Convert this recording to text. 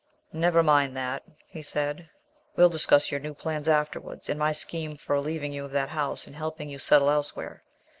"Never mind that," he said, "we'll discuss your new plans afterwards, and my scheme for relieving you of the house and helping you settle elsewhere.